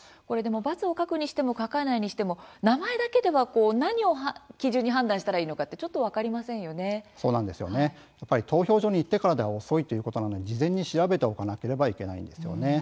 「×」を書くにしても書かないにしても名前だけでは何を基準に判断したらいいのか投票所に行ってからでは遅いということなので事前に調べておかなければいけないんですよね。